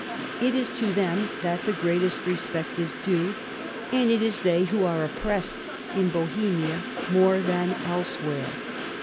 It is to" them that the greatest respect is due, and it is they who are oppressed in Bohemia more than elsewhere.